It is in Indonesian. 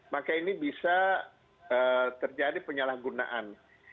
maka ini bisa terjadi penyalahgunaan